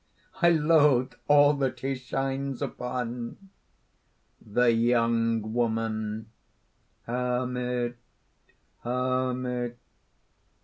I loathe all that he shines upon." THE YOUNG WOMAN. "Hermit! hermit!